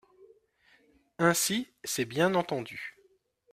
Ainsi, c’est bien entendu…